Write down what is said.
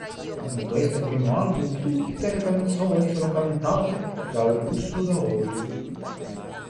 In questo primo album tutte le canzoni sono cantate da Augusto Daolio.